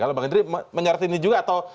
kalau bang hendri menyariti ini juga atau